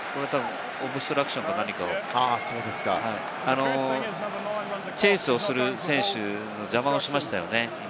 オブストラクションか何か、チェイスをする選手の邪魔をしましたよね、今。